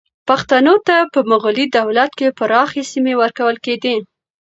پښتنو ته په مغلي دولت کې پراخې سیمې ورکول کېدې.